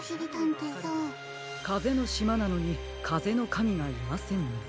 かぜのしまなのにかぜのかみがいませんね。